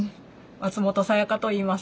松本涼といいます。